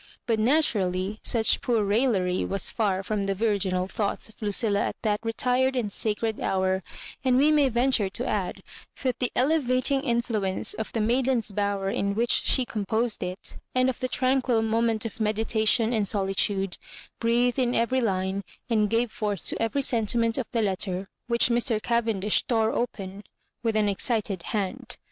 But naturally such poor raillery was &r from the virginal thoughts of Lucilla at that retired and sacred hour; and we may ven ture to add, that the elevating influence of the maiden's bower in which she composed it, and of that tranquil moment of meditation and soli tude, breathed in every line, and gave force to every sentiment of the letter which Mr. Caven dish tore open with an excited hand.